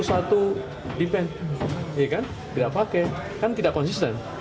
karena dua puluh satu depend ya kan tidak pakai kan tidak konsisten